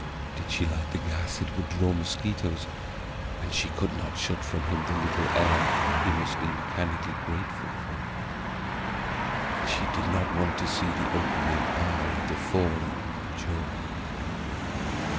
Did she light the gas it would draw mosquitoes, and she could not shut from him the little air he must be mechanically grateful for. And she did not want to see the opening eye the falling jaw.